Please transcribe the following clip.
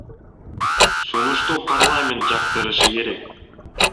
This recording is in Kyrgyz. Сунушту парламент жактырышы керек.